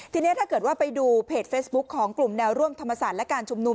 ทีนี้ถ้าเกิดว่าไปดูเพจเฟซบุ๊คของกลุ่มแนวร่วมธรรมศาสตร์และการชุมนุม